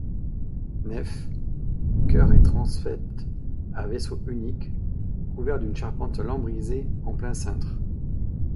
Nef, chœur et transept à vaisseau unique, couverts d'une charpente lambrissée en plein cintre.